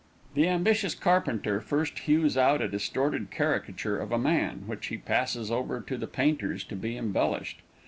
The ambitious carpenter first hews out a distorted caricature of a man, which he passes over to the painters to be embellished.